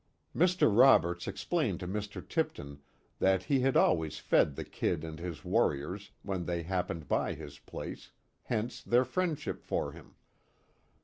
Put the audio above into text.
Mr. Roberts explained to Mr. Tipton that he had always fed the "Kid" and his "warriors" when they happened by his place, hence their friendship for him.